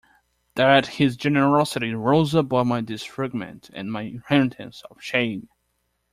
That his generosity rose above my disfigurement and my inheritance of shame.